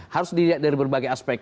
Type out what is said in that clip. harus dilihat dari berbagai aspek